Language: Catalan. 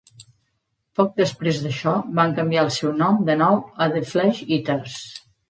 Poc després d'això van canviar el seu nom de nou a The Flesh Eaters.